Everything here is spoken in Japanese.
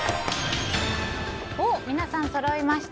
皆さん、そろいました。